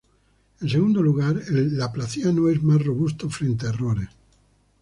En segundo lugar, el laplaciano es más robusto frente a errores.